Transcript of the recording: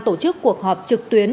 tổ chức cuộc họp trực tuyến